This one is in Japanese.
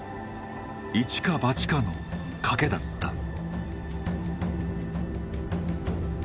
一か八かの賭けだった。